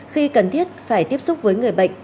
khi cần thiết phải tiếp xúc với người bệnh